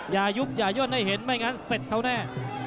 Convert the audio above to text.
อย่ายุบอย่าย่นให้เห็นไม่งั้นเสร็จเขาแน่